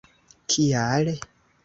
Kial?